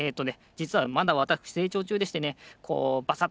じつはまだわたくしせいちょうちゅうでしてねこうバサッとね